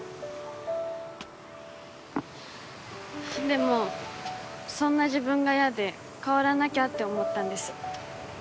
でもそんな自分が嫌で変わらなきゃって思ったんです。